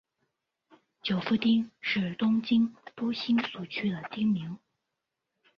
富久町是东京都新宿区的町名。